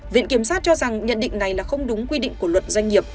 viện kiểm sát cho rằng nhận định này là không đúng quy định của luật doanh nghiệp